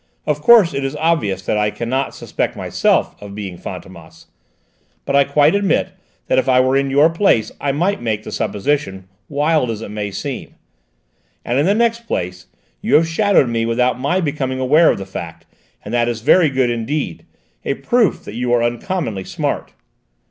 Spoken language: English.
Of course it is obvious that I cannot suspect myself of being Fantômas, but I quite admit that if I were in your place I might make the supposition, wild as it may seem. And, in the next place, you have shadowed me without my becoming aware of the fact, and that is very good indeed: a proof that you are uncommonly smart."